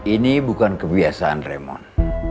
ini bukan kebiasaan raymond